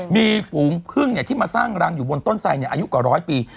มีฝูงพึ่งที่มาสร้างรังอยู่บนต้นไสอายุกว่าร้อยปี